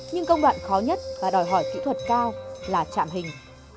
nhưng công đoạn khó nhất và đòi hỏi kỹ thuật cao là chạm hình